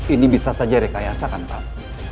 ini bisa saja rekayasa kan pak